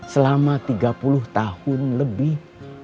selama tiga puluh tahun lebih